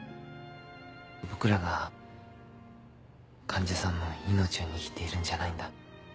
僕らが患者さんの命を握っているんじゃないんだ。